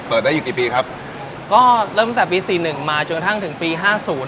เปิดได้อยู่กี่ปีครับก็เริ่มตั้งแต่ปีสี่หนึ่งมาจนกระทั่งถึงปีห้าศูนย์